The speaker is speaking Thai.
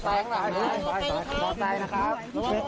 หลังจากที่สุดยอดเย็นหลังจากที่สุดยอดเย็น